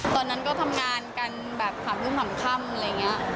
ตอนนั้นก็ทำงานกันแบบ๓ทุ่ม๓ค่ำอะไรอย่างนี้